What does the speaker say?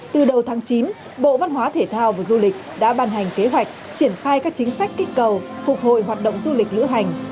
từ đầu tháng chín bộ văn hóa thể thao và du lịch đã ban hành kế hoạch triển khai các chính sách kích cầu phục hồi hoạt động du lịch lữ hành